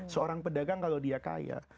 seorang pedagang kalau dia kaya